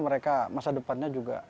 mereka masa depannya juga suram gitu